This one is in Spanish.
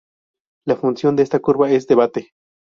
La función de esta curva se debate.